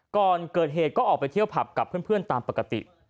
ก่อนเกิดเหตุก็ออกไปเที่ยวผับกับเพื่อนตามปกติ